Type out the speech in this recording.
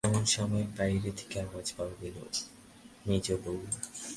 এমন সময় বাইরে থেকে আওয়াজ পাওয়া গেল, মেজোবউ।